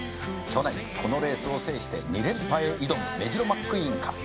「去年このレースを制して二連覇へ挑むメジロマックイーンか」